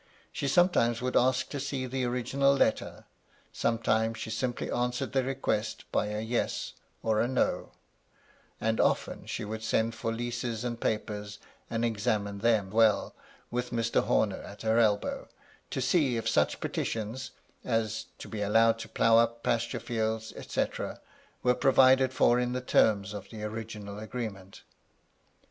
She sometimes would ask to see the original letter; sometimes she simply answered the request by a " Yes," or a " No ;" and often she would send for leases and papers, and examine them well, with Mr. Homer at her elbow, to see if such petitions, as to be allowed to plough up pasture fields, &a, were provided for in the terms of the original agreement.